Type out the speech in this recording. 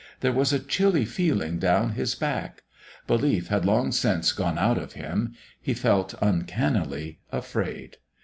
There was a chilly feeling down his back. Belief had long since gone out of him; he felt uncannily afraid.